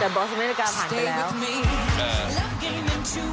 แต่บอสเมริกาผ่านไปแล้ว